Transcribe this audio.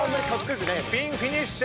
スピンフィニッシュ！